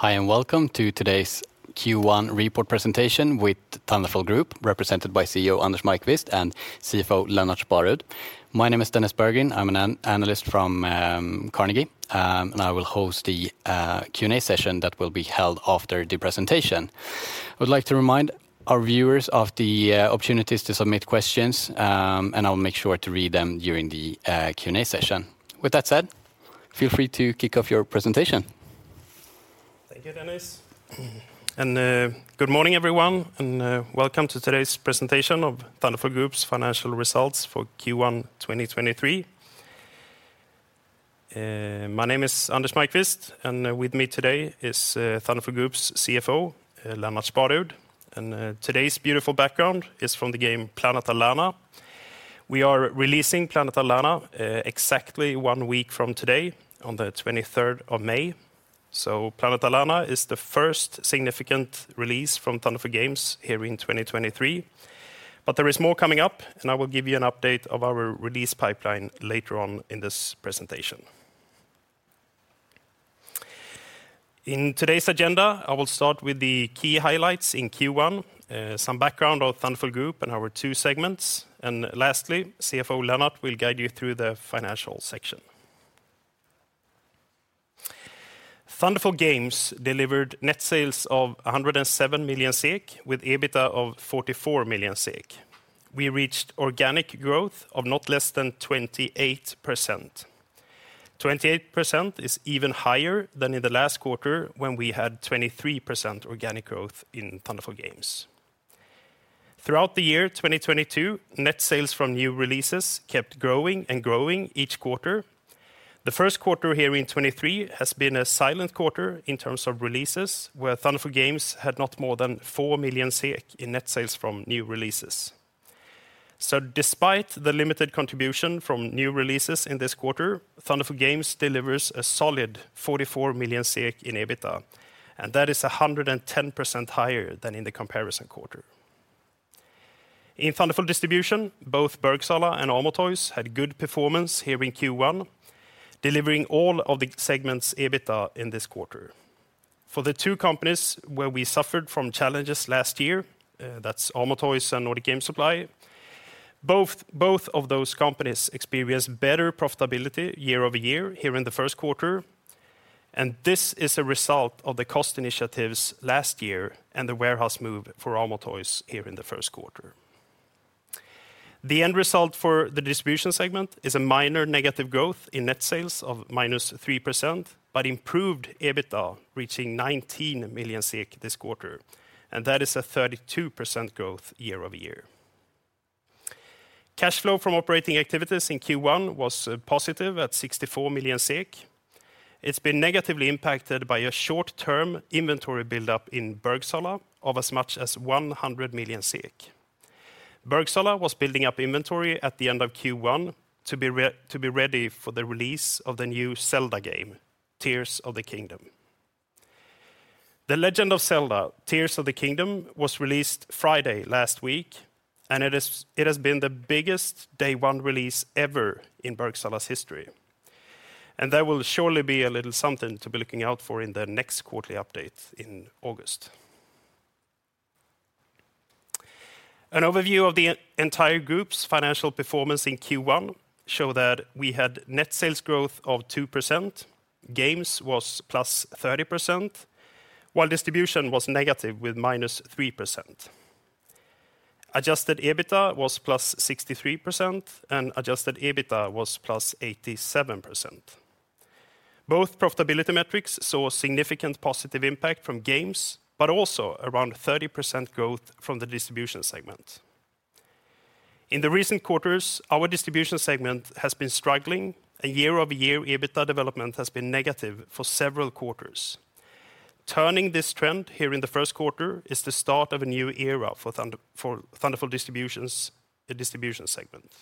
Hi, welcome to today's Q1 report presentation with Thunderful Group, represented by CEO Anders Maiqvist and CFO Lennart Sparud. My name is Dennis Berggren, I'm an analyst from Carnegie, I will host the Q&A session that will be held after the presentation. I would like to remind our viewers of the opportunities to submit questions, I will make sure to read them during the Q&A session. With that said, feel free to kick off your presentation. Thank you, Dennis. Good morning, everyone, and welcome to today's presentation of Thunderful Group's financial results for Q1 2023. My name is Anders Maiqvist, and with me today is Thunderful Group's CFO, Lennart Sparud. Today's beautiful background is from the game Planet of Lana. We are releasing Planet of Lana, exactly 1 week from today on the 23rd of May.Planet of Lana is the first significant release from Thunderful Games here in 2023. There is more coming up, and I will give you an update of our release pipeline later on in this presentation. In today's agenda, I will start with the key highlights in Q1, some background on Thunderful Group and our two segments, and lastly, CFO Lennart will guide you through the financial section. Thunderful Games delivered net sales of 107 million SEK with EBITDA of 44 million SEK. We reached organic growth of not less than 28%. 28% is even higher than in the last quarter when we had 23% organic growth in Thunderful Games. Throughout the year 2022, net sales from new releases kept growing each quarter. The first quarter here in 2023 has been a silent quarter in terms of releases, where Thunderful Games had not more than 4 million SEK in net sales from new releases. Despite the limited contribution from new releases in this quarter, Thunderful Games delivers a solid 44 million SEK in EBITDA, and that is 110% higher than in the comparison quarter. In Thunderful Distribution, both Bergsala and Amo Toys had good performance here in Q1, delivering all of the segment's EBITDA in this quarter. For the two companies where we suffered from challenges last year, that's Amo Toys and Nordic Game Supply, both of those companies experienced better profitability year-over-year here in the first quarter. This is a result of the cost initiatives last year and the warehouse move for Amo Toys here in the first quarter. The end result for the distribution segment is a minor negative growth in net sales of minus 3%. Improved EBITDA reaching 19 million SEK this quarter. That is a 32% growth year-over-year. Cash flow from operating activities in Q1 was positive at 64 million SEK. It's been negatively impacted by a short-term inventory buildup in Bergsala of as much as 100 million SEK. Bergsala was building up inventory at the end of Q1 to be ready for the release of the new Zelda game, Tears of the Kingdom. The Legend of Zelda: Tears of the Kingdom was released Friday last week, it has been the biggest day one release ever in Bergsala's history. That will surely be a little something to be looking out for in the next quarterly update in August. An overview of the entire group's financial performance in Q1 show that we had net sales growth of 2%, games was +30%, while distribution was negative with -3%. Adjusted EBITDA was +63% and adjusted EBITDA was +87%. Both profitability metrics saw significant positive impact from games, but also around 30% growth from the distribution segment. In the recent quarters, our distribution segment has been struggling, a year-over-year EBITDA development has been negative for several quarters. Turning this trend here in the first quarter is the start of a new era for Thunderful Distribution's Distribution segment.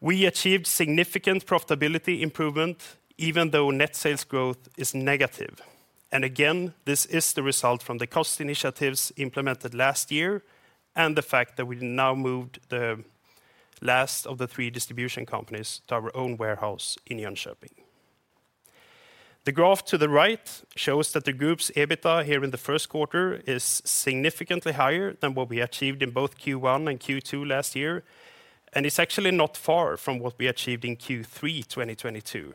We achieved significant profitability improvement even though net sales growth is negative. Again, this is the result from the cost initiatives implemented last year and the fact that we now moved the last of the three distribution companies to our own warehouse in Jönköping. The graph to the right shows that the group's EBITDA here in the first quarter is significantly higher than what we achieved in both Q1 and Q2 last year, it's actually not far from what we achieved in Q3 2022.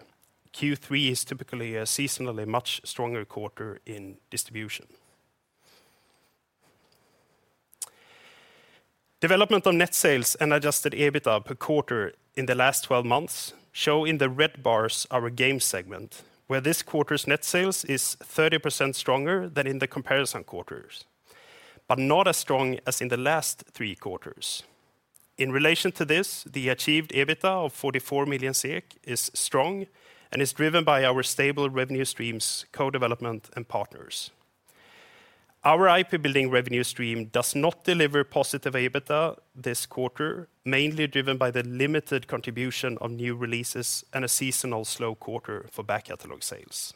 Q3 is typically a seasonally much stronger quarter in distribution. Development of net sales and adjusted EBITDA per quarter in the last 12 months show in the red bars our game segment, where this quarter's net sales is 30% stronger than in the comparison quarters, but not as strong as in the last three quarters. In relation to this, the achieved EBITDA of 44 million is strong and is driven by our stable revenue streams, co-development, and partners. Our IP-building revenue stream does not deliver positive EBITDA this quarter, mainly driven by the limited contribution of new releases and a seasonal slow quarter for back catalog sales.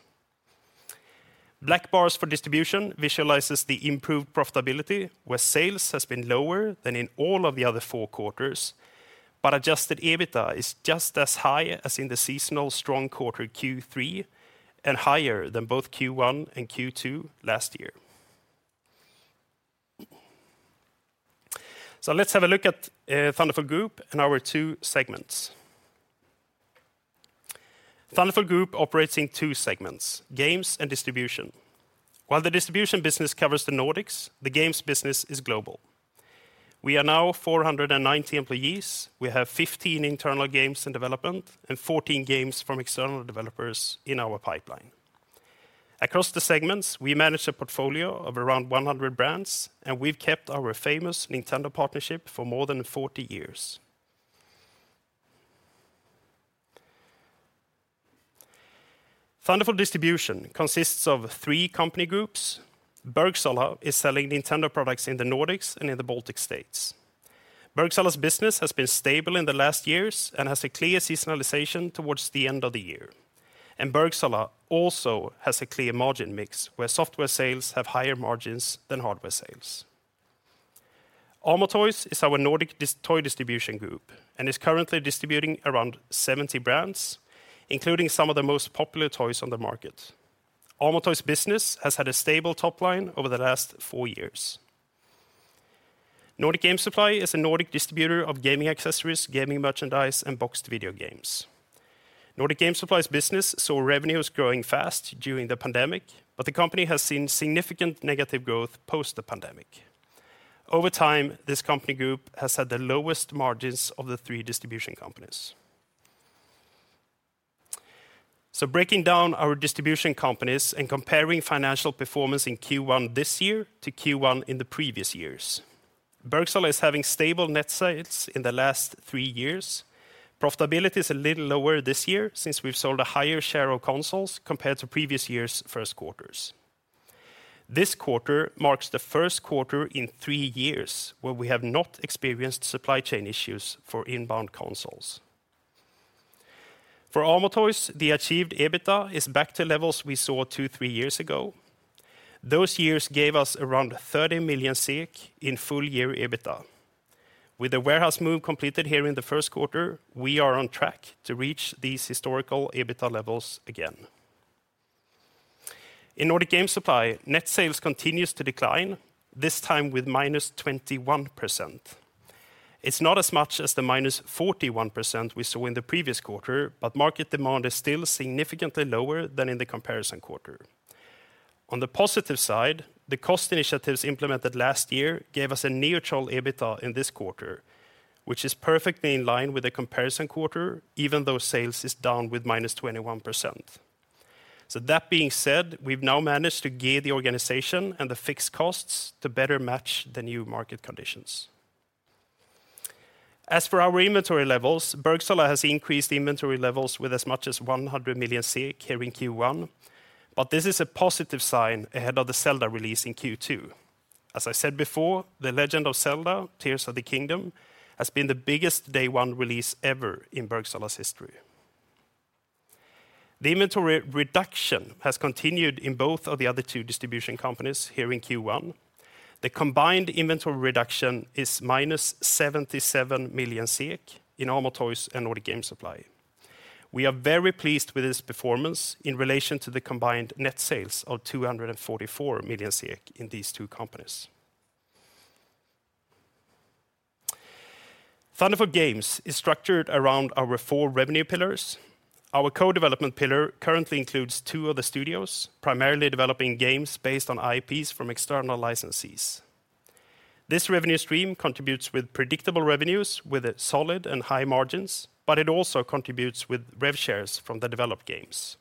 Black bars for distribution visualizes the improved profitability, where sales has been lower than in all of the other four quarters. Adjusted EBITDA is just as high as in the seasonal strong quarter Q3 and higher than both Q1 and Q2 last year. Let's have a look at Thunderful Group and our two segments. Thunderful Group operates in two segments, games and distribution. While the distribution business covers the Nordics, the games business is global. We are now 490 employees. We have 15 internal games in development and 14 games from external developers in our pipeline. Across the segments, we manage a portfolio of around 100 brands, and we've kept our famous Nintendo partnership for more than 40 years. Thunderful Distribution consists of three company groups. Bergsala is selling Nintendo products in the Nordics and in the Baltic states. Bergsala's business has been stable in the last years and has a clear seasonalization towards the end of the year. Bergsala also has a clear margin mix where software sales have higher margins than hardware sales. Amo Toys is our Nordic toy distribution group and is currently distributing around 70 brands, including some of the most popular toys on the market. Amo Toys business has had a stable top line over the last 4 years. Nordic Game Supply is a Nordic distributor of gaming accessories, gaming merchandise, and boxed video games. Nordic Game Supply's business saw revenues growing fast during the pandemic, the company has seen significant negative growth post the pandemic. Over time, this company group has had the lowest margins of the 3 distribution companies. Breaking down our distribution companies and comparing financial performance in Q1 this year to Q1 in the previous years. Bergsala is having stable net sales in the last three years. Profitability is a little lower this year since we've sold a higher share of consoles compared to previous year's first quarters. This quarter marks the first quarter in three years where we have not experienced supply chain issues for inbound consoles. For Amo Toys, the achieved EBITDA is back to levels we saw two, three years ago. Those years gave us around 30 million SEK in full year EBITDA. With the warehouse move completed here in the first quarter, we are on track to reach these historical EBITDA levels again. In Nordic Game Supply, net sales continues to decline, this time with minus 21%. It's not as much as the minus 41% we saw in the previous quarter, market demand is still significantly lower than in the comparison quarter. On the positive side, the cost initiatives implemented last year gave us a neutral EBITDA in this quarter which is perfectly in line with the comparison quarter even though sales is down with -21%. That being said, we've now managed to gear the organization and the fixed costs to better match the new market conditions. For our inventory levels, Bergsala has increased inventory levels with as much as 100 million here in Q1, but this is a positive sign ahead of the Zelda release in Q2. I said before, The Legend of Zelda: Tears of the Kingdom has been the biggest day one release ever in Bergsala's history. The inventory reduction has continued in both of the other two distribution companies here in Q1. The combined inventory reduction is -77 million SEK in Amo Toys and Nordic Game Supply. We are very pleased with this performance in relation to the combined net sales of 244 million SEK in these two companies. Thunderful Games is structured around our four revenue pillars. Our co-development pillar currently includes two other studios, primarily developing games based on IPs from external licensees. This revenue stream contributes with predictable revenues with solid and high margins. It also contributes with rev shares from the developed games.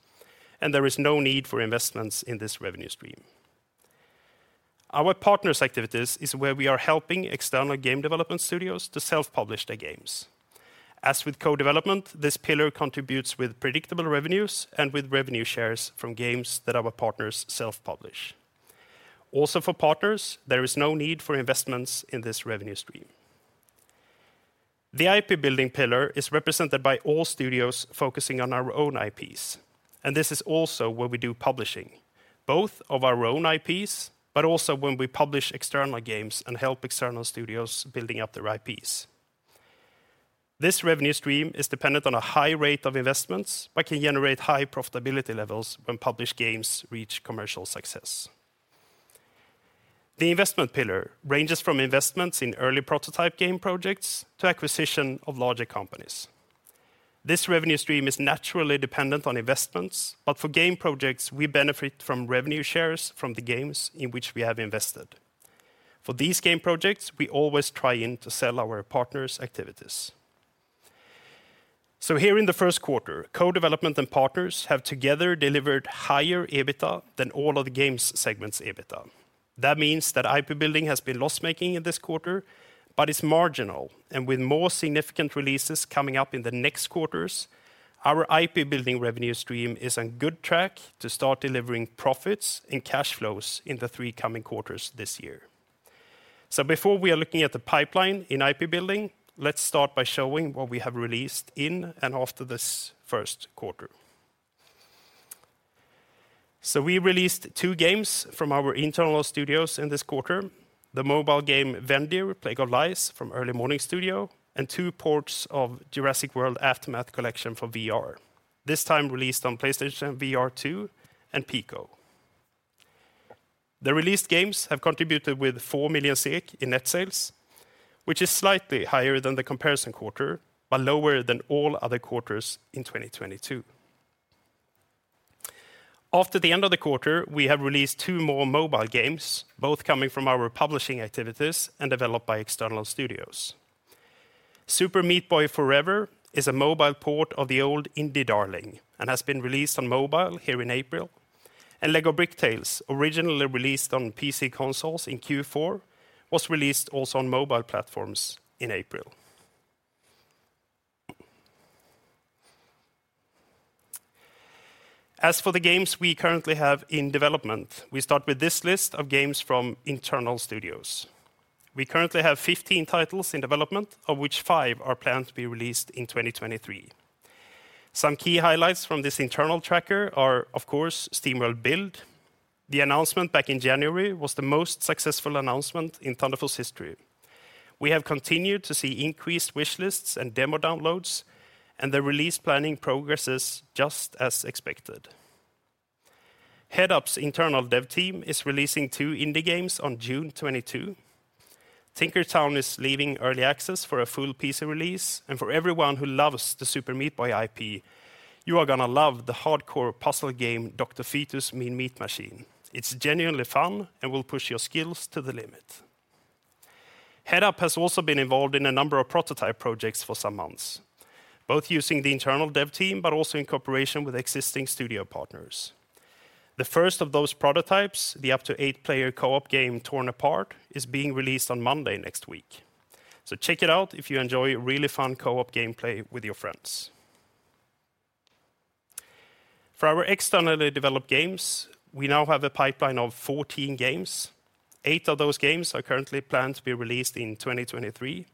There is no need for investments in this revenue stream. Our partners activities is where we are helping external game development studios to self-publish their games. As with co-development, this pillar contributes with predictable revenues and with revenue shares from games that our partners self-publish. Also for partners, there is no need for investments in this revenue stream. The IP building pillar is represented by all studios focusing on our own IPs, and this is also where we do publishing, both of our own IPs, but also when we publish external games and help external studios building up their IPs. This revenue stream is dependent on a high rate of investments but can generate high profitability levels when published games reach commercial success. The investment pillar ranges from investments in early prototype game projects to acquisition of larger companies. This revenue stream is naturally dependent on investments, but for game projects, we benefit from revenue shares from the games in which we have invested. For these game projects, we always try and to sell our partners activities. Here in the first quarter, co-development and partners have together delivered higher EBITDA than all of the games segment's EBITDA. That means that IP building has been loss-making in this quarter, but it's marginal. With more significant releases coming up in the next quarters, our IP building revenue stream is on good track to start delivering profits and cash flows in the three coming quarters this year. Before we are looking at the pipeline in IP building, let's start by showing what we have released in and after this first quarter. We released two games from our internal studios in this quarter, the mobile game Vendir: Plague of Lies from Early Morning Studio, and two ports of Jurassic World Aftermath Collection for VR, this time released on PlayStation VR2 and Pico. The released games have contributed with 4 million SEK in net sales, which is slightly higher than the comparison quarter, but lower than all other quarters in 2022. After the end of the quarter, we have released two more mobile games, both coming from our publishing activities and developed by external studios. Super Meat Boy Forever is a mobile port of the old indie darling and has been released on mobile here in April, and LEGO Bricktales, originally released on PC consoles in Q4, was released also on mobile platforms in April. As for the games we currently have in development, we start with this list of games from internal studios. We currently have 15 titles in development, of which five are planned to be released in 2023. Some key highlights from this internal tracker are, of course, SteamWorld Build. The announcement back in January was the most successful announcement in Thunderful's history. We have continued to see increased wish lists and demo downloads, and the release planning progress is just as expected. Headup's internal dev team is releasing two indie games on June 22. Tinkertown is leaving early access for a full PC release, and for everyone who loves the Super Meat Boy IP, you are going to love the hardcore puzzle game Dr. Fetus' Mean Meat Machine. It's genuinely fun and will push your skills to the limit. Headup has also been involved in a number of prototype projects for some months, both using the internal dev team, but also in cooperation with existing studio partners. The first of those prototypes, the up to 8-player co-op game Torn Apart, is being released on Monday next week. Check it out if you enjoy really fun co-op gameplay with your friends. For our externally developed games, we now have a pipeline of 14 games. Eight of those games are currently planned to be released in 2023.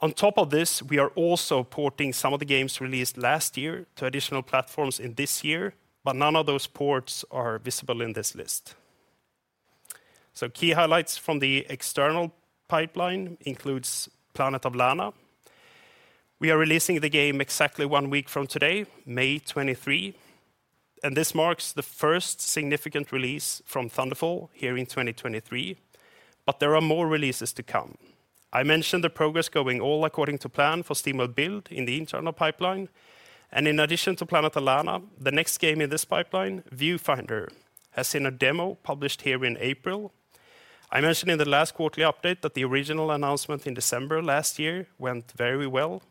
On top of this, we are also porting some of the games released last year to additional platforms in this year, but none of those ports are visible in this list. Key highlights from the external pipeline includes Planet of Lana. We are releasing the game exactly one week from today, May 23, and this marks the first significant release from Thunderful here in 2023, but there are more releases to come. I mentioned the progress going all according to plan for SteamWorld Build in the internal pipeline, and in addition to Planet of Lana, the next game in this pipeline, Viewfinder, has seen a demo published here in April. I mentioned in the last quarterly update that the original announcement in December last year went very well.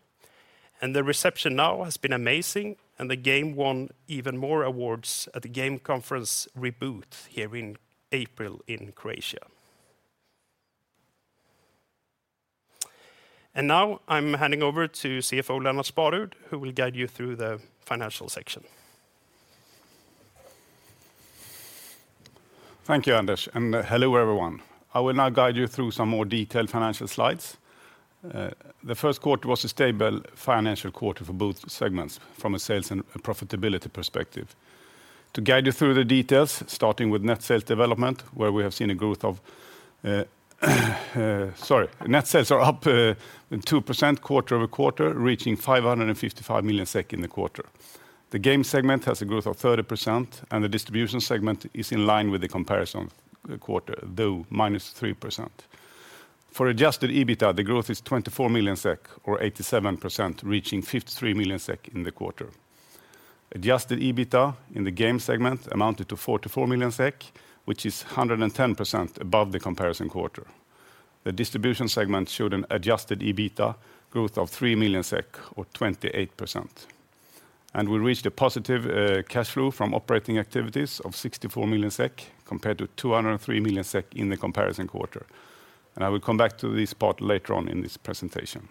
The reception now has been amazing. The game won even more awards at the game conference Reboot here in April in Croatia. Now I'm handing over to CFO Lennart Sparud, who will guide you through the financial section. Thank you, Anders, and hello, everyone. I will now guide you through some more detailed financial slides. The first quarter was a stable financial quarter for both segments from a sales and profitability perspective. To guide you through the details, starting with net sales development, where we have seen a growth of. Net sales are up 2% quarter-over-quarter, reaching 555 million SEK in the quarter. The game segment has a growth of 30%, and the distribution segment is in line with the comparison quarter, though -3%. For adjusted EBITA, the growth is 24 million SEK or 87%, reaching 53 million SEK in the quarter. Adjusted EBITA in the game segment amounted to 44 million SEK, which is 110% above the comparison quarter. The distribution segment showed an adjusted EBITA growth of 3 million SEK or 28%. We reached a positive cash flow from operating activities of 64 million SEK compared to 203 million SEK in the comparison quarter. I will come back to this part later on in this presentation.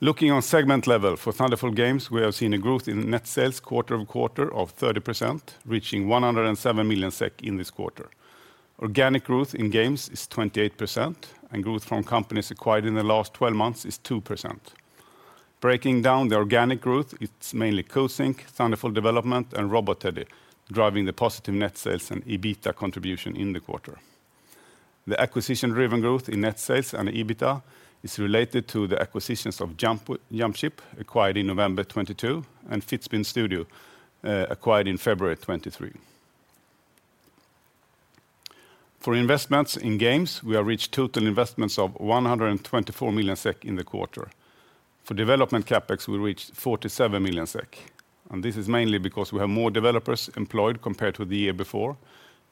Looking on segment level for Thunderful Games, we have seen a growth in net sales quarter-over-quarter of 30%, reaching 107 million SEK in this quarter. Organic growth in games is 28%, and growth from companies acquired in the last 12 months is 2%. Breaking down the organic growth, it's mainly Coatsink, Thunderful Development, and Robot Teddy driving the positive net sales and EBITA contribution in the quarter. The acquisition-driven growth in net sales and EBITA is related to the acquisitions of Jumpship, acquired in November 2022, and Studio Fizbin, acquired in February 2023. For investments in games, we have reached total investments of 124 million SEK in the quarter. For development CapEx, we reached 47 million SEK, This is mainly because we have more developers employed compared to the year before.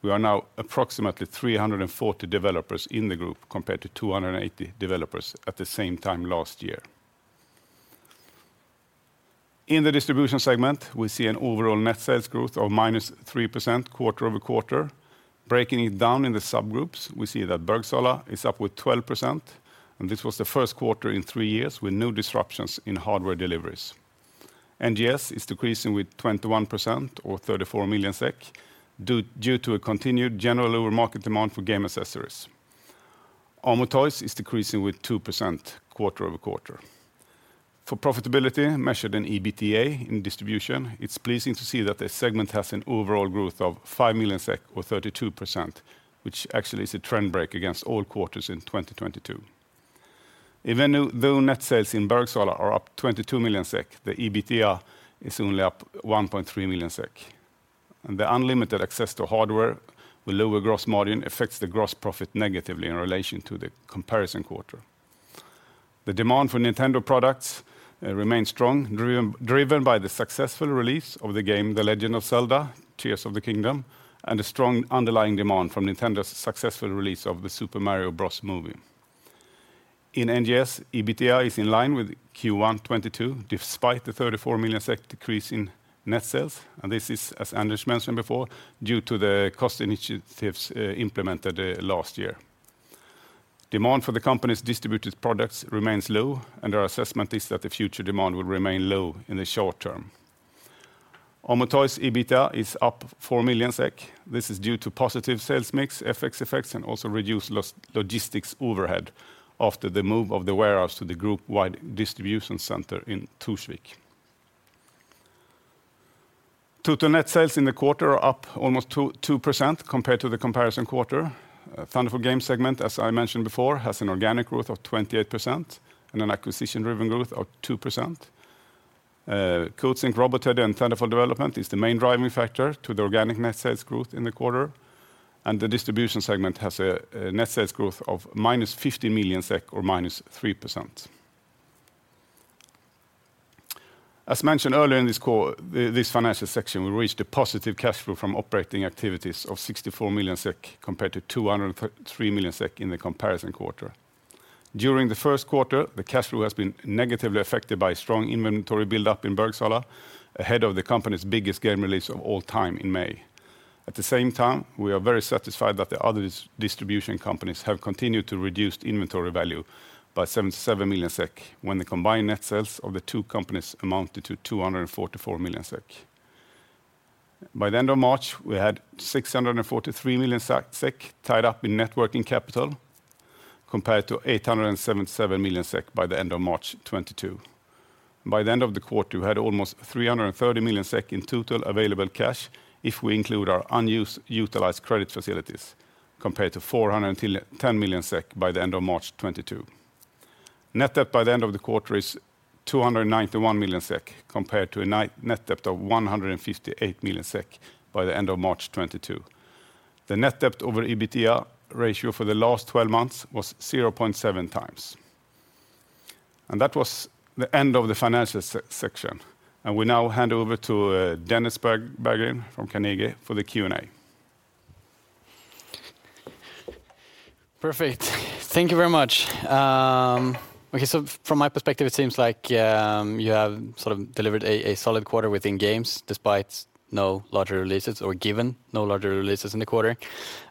We are now approximately 340 developers in the group compared to 280 developers at the same time last year. In the distribution segment, we see an overall net sales growth of minus 3% quarter-over-quarter. Breaking it down in the subgroups, we see that Bergsala is up with 12%, This was the first quarter in three years with no disruptions in hardware deliveries. NGS is decreasing with 21% or 34 million SEK due to a continued general lower market demand for game accessories. Amo Toys is decreasing with 2% quarter-over-quarter. For profitability measured in EBITDA in distribution, it's pleasing to see that the segment has an overall growth of 5 million SEK or 32%, which actually is a trend break against all quarters in 2022. Even though net sales in Bergsala are up 22 million SEK, the EBITDA is only up 1.3 million SEK. The unlimited access to hardware with lower gross margin affects the gross profit negatively in relation to the comparison quarter. The demand for Nintendo products remain strong, driven by the successful release of the game The Legend of Zelda: Tears of the Kingdom, and a strong underlying demand from Nintendo's successful release of The Super Mario Bros. Movie. In NGS, EBITDA is in line with Q1 2022, despite the 34 million decrease in net sales. This is, as Anders mentioned before, due to the cost initiatives implemented last year. Demand for the company's distributed products remains low, and our assessment is that the future demand will remain low in the short term. Amo Toys EBITDA is up 4 million SEK. This is due to positive sales mix, FX effects, and also reduced logistics overhead after the move of the warehouse to the group wide distribution center in Torsby. Total net sales in the quarter are up almost 2% compared to the comparison quarter. Thunderful Games segment, as I mentioned before, has an organic growth of 28% and an acquisition driven growth of 2%. Coatsink, Robot Teddy and Thunderful Development is the main driving factor to the organic net sales growth in the quarter. The distribution segment has a net sales growth of minus 50 million SEK or minus 3%. As mentioned earlier in this call, this financial section, we reached a positive cash flow from operating activities of 64 million SEK compared to 203 million SEK in the comparison quarter. During the first quarter, the cash flow has been negatively affected by strong inventory build-up in Bergsala ahead of the company's biggest game release of all time in May. At the same time, we are very satisfied that the other distribution companies have continued to reduce the inventory value by 77 million SEK when the combined net sales of the two companies amounted to 244 million SEK. By the end of March, we had 643 million SEK tied up in net working capital compared to 877 million SEK by the end of March 2022. By the end of the quarter, we had almost 330 million SEK in total available cash if we include our unused utilized credit facilities compared to 410 million SEK by the end of March 2022. Net debt by the end of the quarter is 291 million SEK compared to a net debt of 158 million SEK by the end of March 2022. The net debt over EBITDA ratio for the last 12 months was 0.7 times. That was the end of the financial section. We now hand over to Dennis Berggren from Carnegie for the Q&A. Perfect. Thank you very much. Okay. From my perspective, it seems like you have sort of delivered a solid quarter within Games despite no larger releases or given no larger releases in the quarter.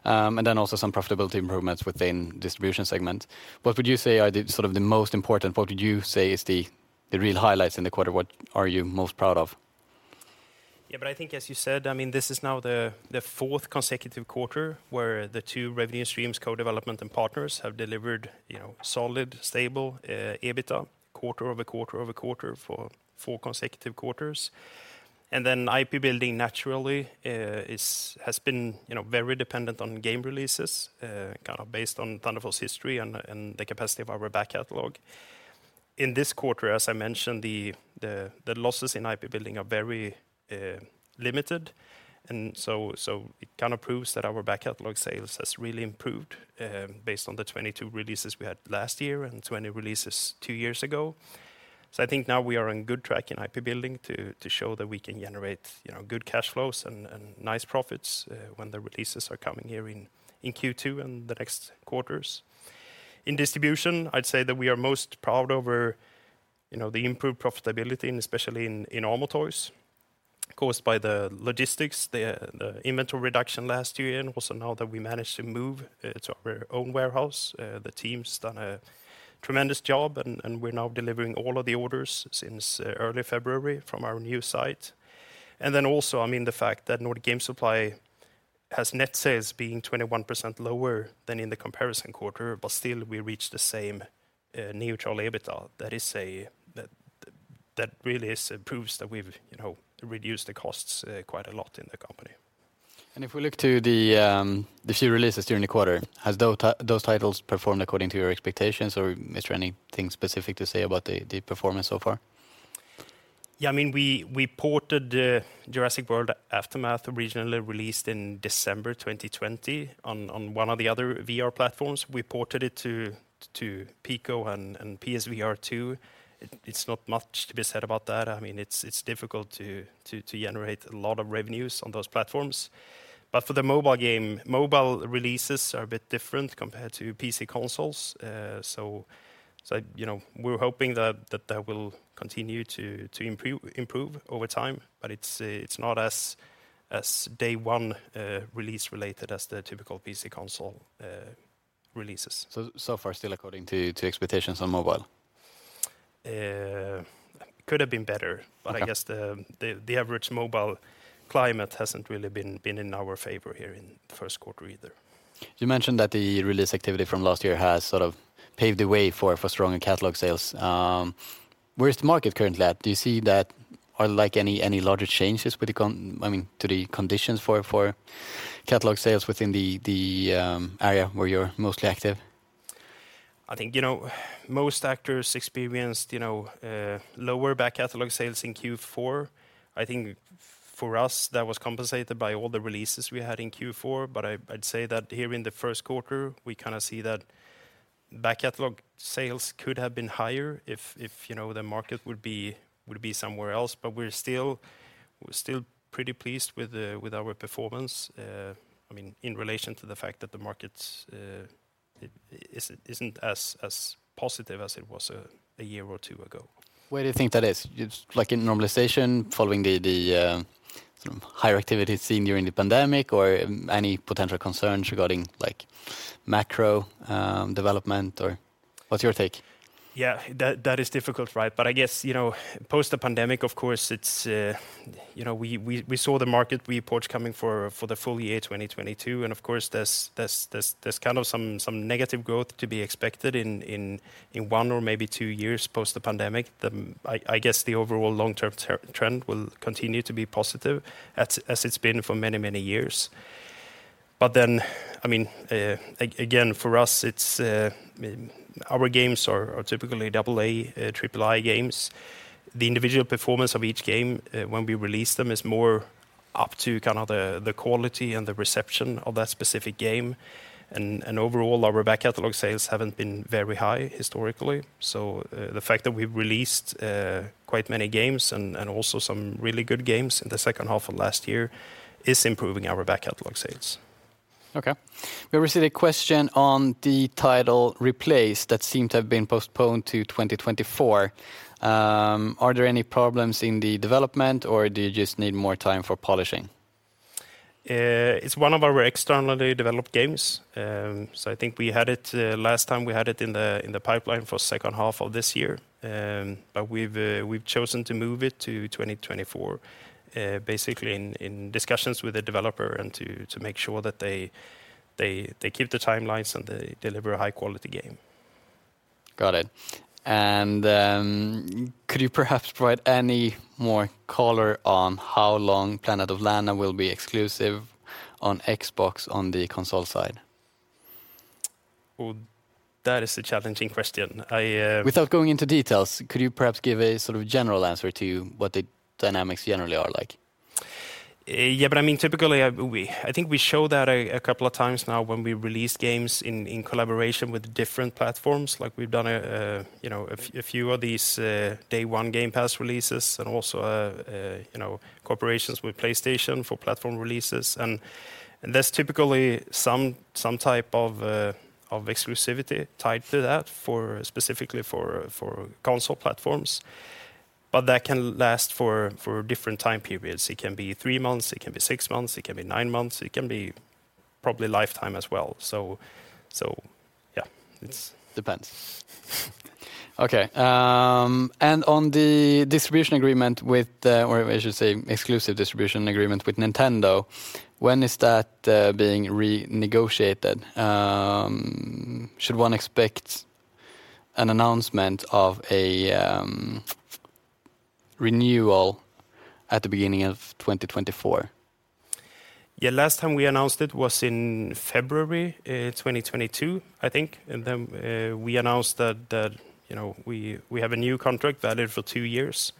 And then also some profitability improvements within Distribution segment. What would you say are the, sort of the most important, what would you say is the real highlights in the quarter? What are you most proud of? Yeah, but I think as you said, I mean, this is now the fourth consecutive quarter where the two revenue streams, co-development and partners, have delivered, you know, solid, stable EBITDA quarter-over-quarter-over-quarter for four consecutive quarters. IP building naturally has been, you know, very dependent on game releases, kind of based on Thunderful's history and the capacity of our back catalog. In this quarter, as I mentioned, the losses in IP building are very limited. It kind of proves that our back catalog sales has really improved, based on the 22 releases we had last year and 20 releases 2 years ago. I think now we are on good track in IP building to show that we can generate, you know, good cash flows and nice profits when the releases are coming here in Q2 and the next quarters. In distribution, I'd say that we are most proud over, you know, the improved profitability and especially in Amo Toys caused by the logistics, the inventory reduction last year, and also now that we managed to move to our own warehouse. The team's done a tremendous job and we're now delivering all of the orders since early February from our new site. I mean, the fact that Nordic Game Supply has net sales being 21% lower than in the comparison quarter, but still we reach the same neutral EBITDA. That really proves that we've, you know, reduced the costs quite a lot in the company. If we look to the few releases during the quarter, has those titles performed according to your expectations, or is there anything specific to say about the performance so far? I mean, we ported Jurassic World Aftermath originally released in December 2020 on one of the other VR platforms. We ported it to Pico and PSVR2. It's not much to be said about that. I mean, it's difficult to generate a lot of revenues on those platforms. For the mobile game, mobile releases are a bit different compared to PC consoles. You know, we're hoping that will continue to improve over time, but it's not as day one release related as the typical PC console releases. So far, still according to expectations on mobile? could have been better Okay I guess the average mobile climate hasn't really been in our favor here in first quarter either. You mentioned that the release activity from last year has sort of paved the way for stronger catalog sales. Where is the market currently at? Do you see that are any larger changes with the I mean, to the conditions for catalog sales within the area where you're mostly active? I think, you know, most actors experienced, you know, lower back catalog sales in Q4. I think for us that was compensated by all the releases we had in Q4, but I'd say that here in the first quarter we kinda see that back catalog sales could have been higher if, you know, the market would be somewhere else. We're still pretty pleased with our performance, I mean, in relation to the fact that the market's isn't as positive as it was a year or 2 ago. Where do you think that is? It's like a normalization following the sort of higher activity seen during the pandemic or any potential concerns regarding, like, macro development or what's your take? Yeah. That is difficult, right? I guess, you know, post the pandemic, of course, it's, you know, we saw the market reports coming for the full year 2022 and of course there's kind of some negative growth to be expected in one or maybe two years post the pandemic. I guess the overall long-term trend will continue to be positive as it's been for many, many years. I mean, again, for us it's, our games are typically Double-A, Triple-I games. The individual performance of each game, when we release them is more up to kind of the quality and the reception of that specific game and overall our back catalog sales haven't been very high historically, so, the fact that we've released, quite many games and also some really good games in the second half of last year is improving our back catalog sales. Okay. We received a question on the title replaced that seemed to have been postponed to 2024. Are there any problems in the development or do you just need more time for polishing? It's one of our externally developed games. I think we had it last time we had it in the pipeline for second half of this year. We've chosen to move it to 2024, basically in discussions with the developer and to make sure that they keep the timelines and they deliver a high quality game. Got it. Could you perhaps provide any more color on how long Planet of Lana will be exclusive on Xbox on the console side? Ooh, that is a challenging question. I. Without going into details, could you perhaps give a sort of general answer to what the dynamics generally are like? I mean, typically, we, I think we show that a couple of times now when we release games in collaboration with different platforms, like we've done a, you know, a few of these Day one Game Pass releases and also, you know, corporations with PlayStation for platform releases and there's typically some type of exclusivity tied to that for specifically for console platforms, but that can last for different time periods. It can be 3 months, it can be 6 months, it can be 9 months, it can be probably lifetime as well. Yeah, it's. Depends. Okay, on the distribution agreement with, or I should say exclusive distribution agreement with Nintendo, when is that being renegotiated? Should one expect an announcement of a renewal at the beginning of 2024? Yeah. Last time we announced it was in February 2022, I think. We announced that, you know, we have a new contract valid for two years.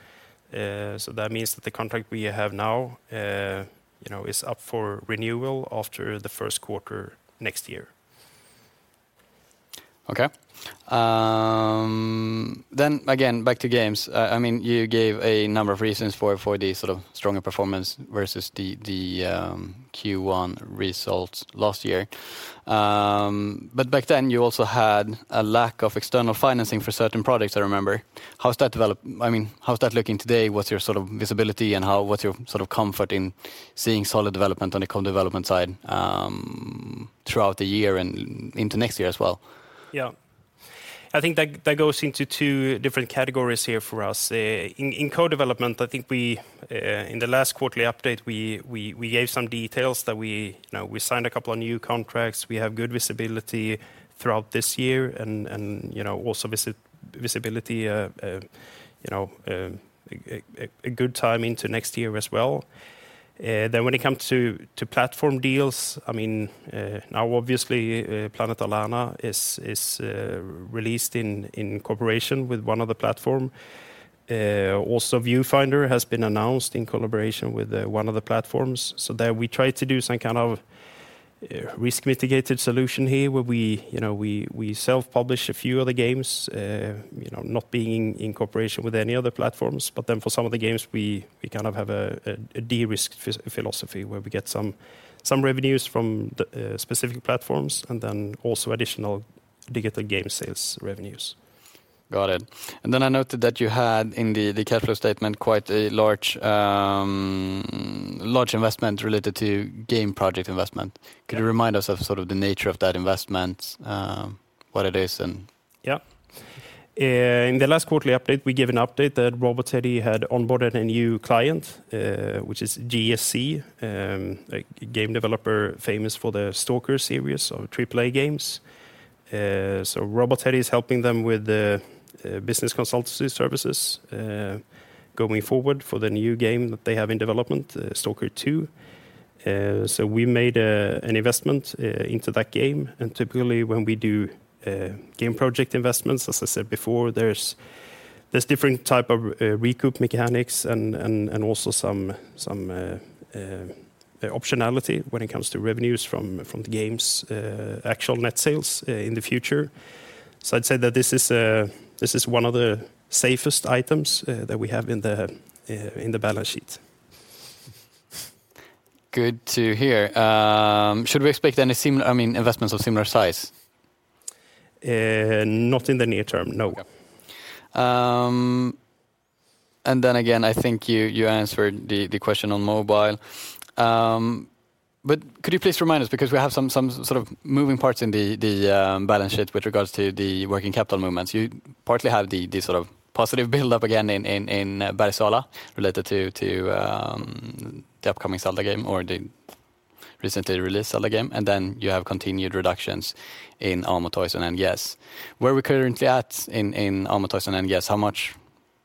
That means that the contract we have now, you know, is up for renewal after the first quarter next year. Then again, back to games. I mean, you gave a number of reasons for the sort of stronger performance versus the Q1 results last year. Back then you also had a lack of external financing for certain products, I remember. How has that I mean, how's that looking today? What's your sort of visibility and how, what's your sort of comfort in seeing solid development on the co-development side throughout the year and into next year as well? I think that goes into two different categories here for us. In co-development, I think we in the last quarterly update, we gave some details that we, you know, we signed a couple of new contracts. We have good visibility throughout this year and, you know, also visibility, you know, a good time into next year as well. When it comes to platform deals, I mean, now obviously, Planet of Lana is released in cooperation with one other platform. Also Viewfinder has been announced in collaboration with one of the platforms. There we try to do some kind of risk mitigated solution here where we, you know, we self-publish a few of the games, you know, not being in cooperation with any other platforms. For some of the games we kind of have a de-risked philosophy where we get some revenues from the specific platforms and then also additional digital game sales revenues. Got it. I noted that you had in the cash flow statement quite a large investment related to game project investment. Yeah. Could you remind us of sort of the nature of that investment, what it is? Yeah, in the last quarterly update, we gave an update that Robot Teddy had onboarded a new client, which is GSC, a game developer famous for the S.T.A.L.K.E.R. series of AAA games. Robot Teddy is helping them with the business consultancy services going forward for the new game that they have in development, S.T.A.L.K.E.R. 2. We made an investment into that game, and typically when we do game project investments, as I said before, there's different type of recoup mechanics and also some optionality when it comes to revenues from the games' actual net sales in the future. I'd say that this is one of the safest items that we have in the balance sheet. Good to hear. Should we expect any I mean, investments of similar size? Not in the near term, no. Yeah. Again, I think you answered the question on mobile. Could you please remind us because we have some sort of moving parts in the balance sheet with regards to the working capital movements. You partly have the sort of positive build-up again in Bergsala related to the upcoming Zelda game or the recently released Zelda game, you have continued reductions in Amo Toys and NGS. Where are we currently at in Amo Toys and NGS? How much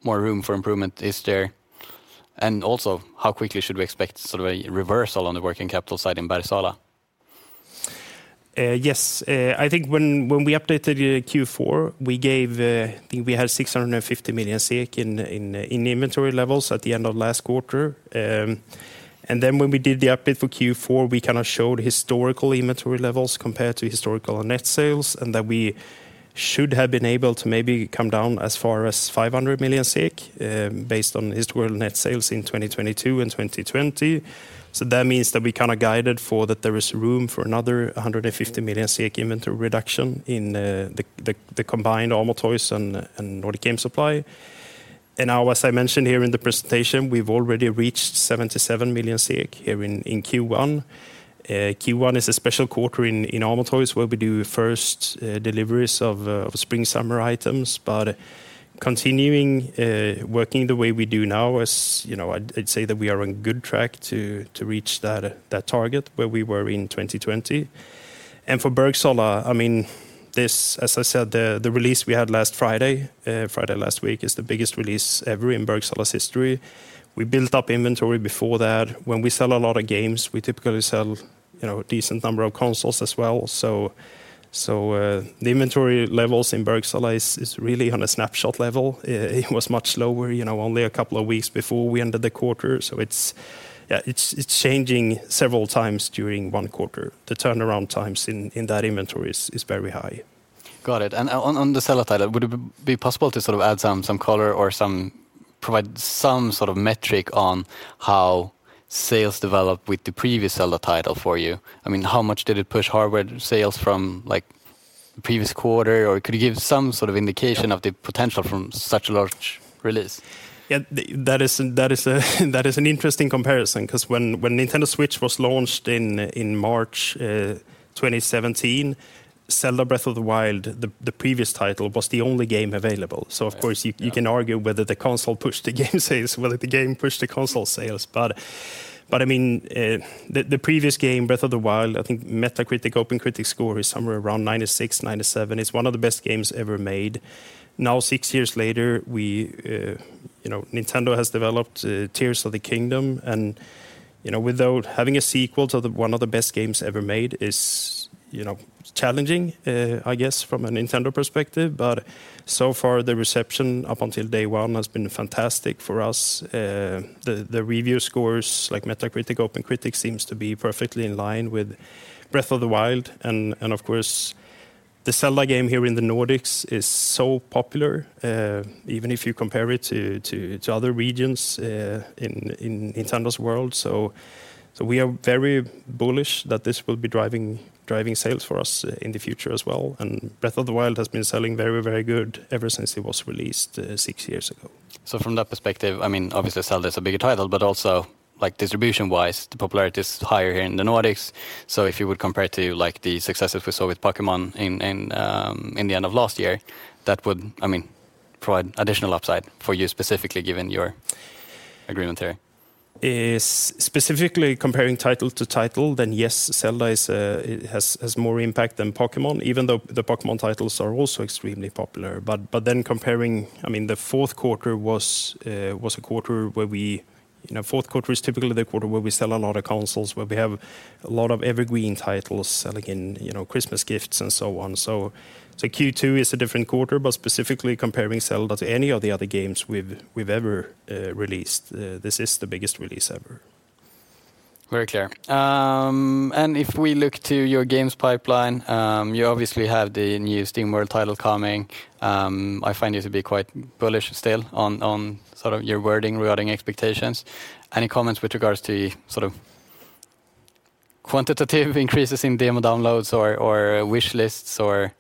more room for improvement is there? How quickly should we expect sort of a reversal on the working capital side in Bergsala? Yes. I think when we updated the Q4, we gave, I think we had 650 million SEK in inventory levels at the end of last quarter. When we did the update for Q4, we kind of showed historical inventory levels compared to historical net sales, and that we should have been able to maybe come down as far as 500 million based on historical net sales in 2022 and 2020. That means that we kind of guided for that there is room for another 150 million SEK inventory reduction in the combined Amo Toys and Nordic Game Supply. Now, as I mentioned here in the presentation, we've already reached 77 million here in Q1. Q1 is a special quarter in Amo Toys where we do first deliveries of spring/summer items. Continuing working the way we do now is, you know, I'd say that we are on good track to reach that target where we were in 2020. For Bergsala, I mean, this, as I said, the release we had last Friday last week, is the biggest release ever in Bergsala's history. We built up inventory before that. When we sell a lot of games, we typically sell, you know, a decent number of consoles as well. The inventory levels in Bergsala is really on a snapshot level. It was much lower, you know, only a couple of weeks before we ended the quarter. It's changing several times during 1 quarter. The turnaround times in that inventory is very high. Got it. On the Zelda title, would it be possible to sort of add some color or provide some sort of metric on how sales developed with the previous Zelda title for you? I mean, how much did it push hardware sales from, like, the previous quarter? Could you give some sort of indication of the potential from such a large release? Yeah. That is an interesting comparison because when Nintendo Switch was launched in March 2017, Zelda: Breath of the Wild, the previous title, was the only game available. Yes. Yeah. Of course you can argue whether the console pushed the game sales whether the game pushed the console sales. I mean, the previous game, Breath of the Wild, I think Metacritic OpenCritic score is somewhere around 96, 97. It's one of the best games ever made. Now, 6 years later, we, you know, Nintendo has developed Tears of the Kingdom. You know, without having a sequel to the one of the best games ever made is, you know, challenging, I guess, from a Nintendo perspective. So far the reception up until day 1 has been fantastic for us. The review scores like Metacritic, OpenCritic seems to be perfectly in line with Breath of the Wild and, of course, the Zelda game here in the Nordics is so popular, even if you compare it to other regions in Nintendo's world. We are very bullish that this will be driving sales for us in the future as well. Breath of the Wild has been selling very good ever since it was released 6 years ago. From that perspective, I mean, obviously Zelda is a bigger title, but also like distribution-wise, the popularity is higher here in the Nordics. If you would compare to like the successes we saw with Pokémon in the end of last year, that would, I mean, provide additional upside for you specifically given your agreement there. Specifically comparing title to title, then yes, Zelda is, it has more impact than Pokémon, even though the Pokémon titles are also extremely popular. Then comparing, I mean the fourth quarter was a quarter where we, you know, fourth quarter is typically the quarter where we sell a lot of consoles, where we have a lot of evergreen titles selling in, you know, Christmas gifts and so on. Q2 is a different quarter, but specifically comparing Zelda to any of the other games we've ever released, this is the biggest release ever. Very clear. If we look to your games pipeline, you obviously have the new SteamWorld title coming. I find you to be quite bullish still on sort of your wording regarding expectations. Any comments with regards to sort of quantitative increases in demo downloads or wish lists or...?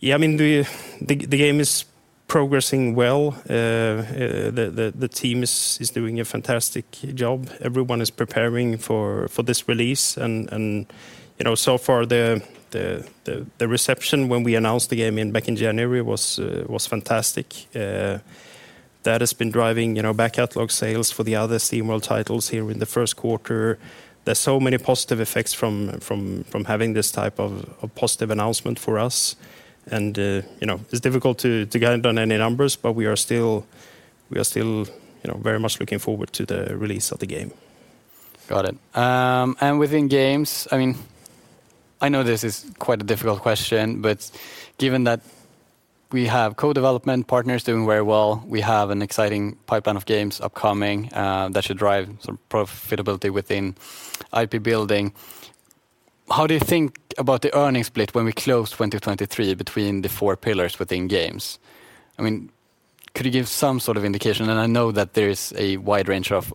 Yeah, I mean, the game is progressing well. The team is doing a fantastic job. Everyone is preparing for this release and, you know, so far the reception when we announced the game back in January was fantastic. That has been driving, you know, back catalog sales for the other SteamWorld titles here in the first quarter. There's so many positive effects from having this type of positive announcement for us and, you know, it's difficult to get it on any numbers, but we are still, you know, very much looking forward to the release of the game. Got it. Within games, I mean, I know this is quite a difficult question, but given that we have co-development partners doing very well, we have an exciting pipeline of games upcoming that should drive some profitability within IP building. How do you think about the earnings split when we close 2023 between the four pillars within games? I mean, could you give some sort of indication? I know that there is a wide range of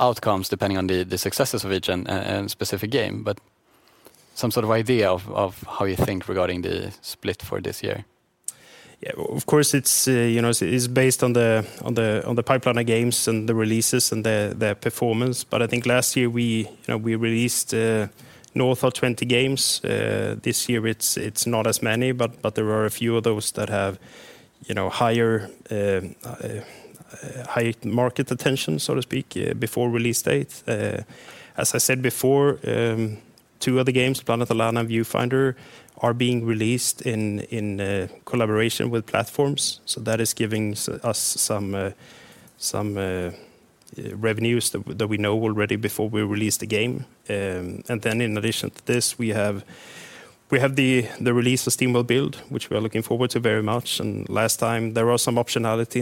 outcomes depending on the successes of each and specific game, but some sort of idea of how you think regarding the split for this year. Yeah. Of course, it's, you know, it's based on the pipeline of games and the releases and the performance. I think last year we, you know, we released north of 20 games. This year it's not as many, but there are a few of those that have, you know, higher high market attention, so to speak, before release date. As I said before, two of the games, Planet of Lana and Viewfinder, are being released in collaboration with platforms. That is giving us some revenues that we know already before we release the game. In addition to this, we have the release of SteamWorld Build, which we are looking forward to very much and last time there was some optionality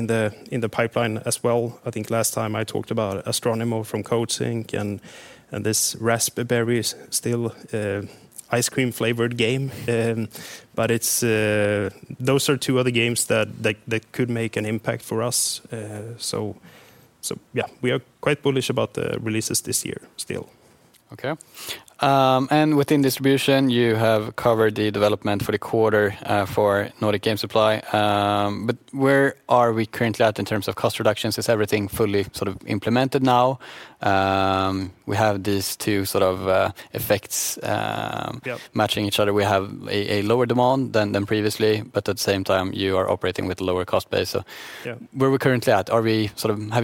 in the pipeline as well. I think last time I talked about Astronomer from Codes Inc. and this Rasberry is still ice cream flavored game. It's those are two of the games that could make an impact for us. Yeah, we are quite bullish about the releases this year still. Okay. Within distribution, you have covered the development for the quarter, for Nordic Game Supply, where are we currently at in terms of cost reductions? Is everything fully sort of implemented now? We have these two sort of, effects. Yeah matching each other. We have a lower demand than previously. At the same time, you are operating with lower cost base. Yeah... where we currently at? Have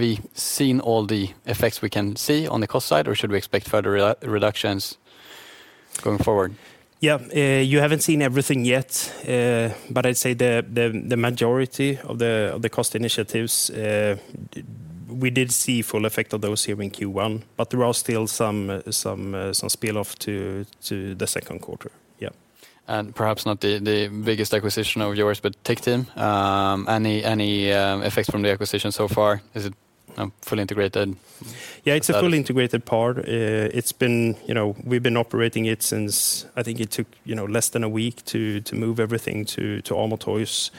you seen all the effects we can see on the cost side or should we expect further reductions going forward? Yeah. You haven't seen everything yet. I'd say the majority of the cost initiatives, we did see full effect of those here in Q1. There are still some spill off to the second quarter. Yeah. Perhaps not the biggest acquisition of yours, but TechTeam. Any effects from the acquisition so far? Is it fully integrated? Yeah, it's a fully integrated part. It's been, you know, we've been operating it since, I think it took, you know, less than a week to move everything to Amo Toys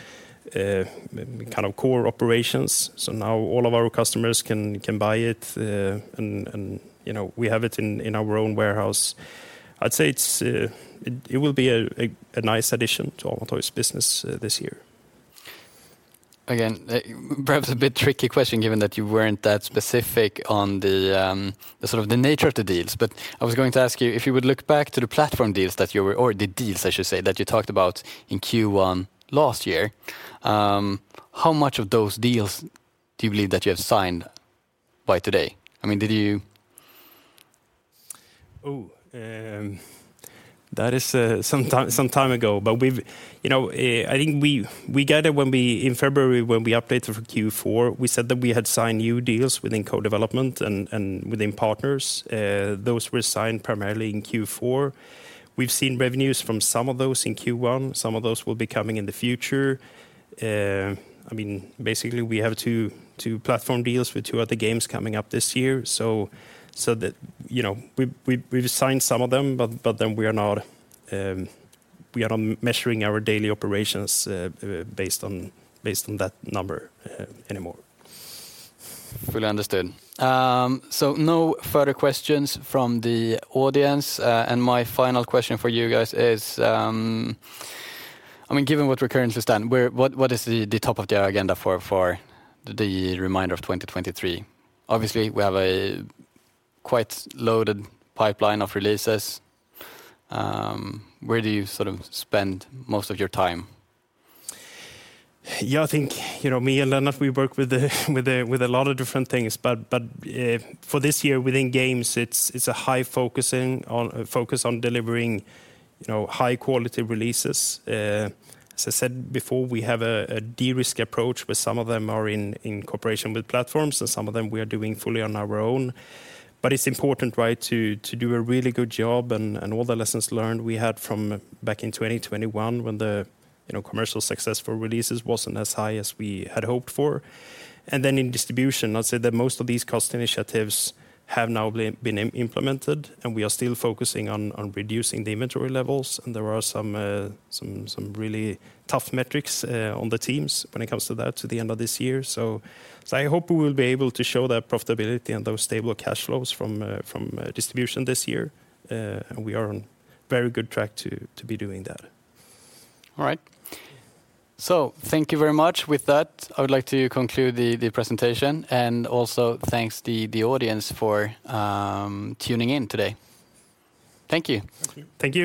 kind of core operations. Now all of our customers can buy it, and, you know, we have it in our own warehouse. I'd say it's, it will be a nice addition to Amo Toys business this year. Perhaps a bit tricky question, given that you weren't that specific on the sort of the nature of the deals, but I was going to ask you if you would look back to the platform deals that you were, or the deals I should say, that you talked about in Q1 last year, how much of those deals do you believe that you have signed by today? I mean, did you- That is some time ago. We've, you know, I think we gathered when we, in February when we updated for Q4, we said that we had signed new deals within co-development and within partners. Those were signed primarily in Q4. We've seen revenues from some of those in Q1. Some of those will be coming in the future. I mean, basically we have 2 platform deals with 2 other games coming up this year. The, you know, we've signed some of them, but then we are not measuring our daily operations based on that number anymore. Fully understood. No further questions from the audience. My final question for you guys is, I mean, given what we currently stand, where, what is the top of the agenda for the reminder of 2023? Obviously, we have a quite loaded pipeline of releases. Where do you sort of spend most of your time? Yeah, I think, you know, me and Lennart, we work with a lot of different things, but for this year within games, it's a high focus on delivering, you know, high quality releases. As I said before, we have a de-risk approach where some of them are in cooperation with platforms and some of them we are doing fully on our own. It's important, right, to do a really good job and all the lessons learned we had from back in 2021 when the, you know, commercial successful releases wasn't as high as we had hoped for. In distribution, I'd say that most of these cost initiatives have now been implemented, and we are still focusing on reducing the inventory levels and there are some really tough metrics on the teams when it comes to that to the end of this year. I hope we will be able to show that profitability and those stable cash flows from distribution this year. We are on very good track to be doing that. All right. Thank you very much. With that, I would like to conclude the presentation and also thanks the audience for tuning in today. Thank you. Thank you.